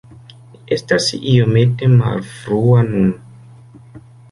Mi estas iomete malfrua nun.